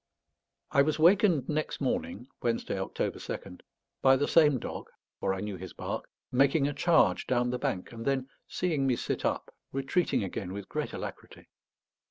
I was wakened next morning (Wednesday, October 2nd) by the same dog for I knew his bark making a charge down the bank, and then, seeing me sit up, retreating again with great alacrity.